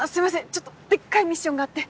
ちょっとデッカいミッションがあって。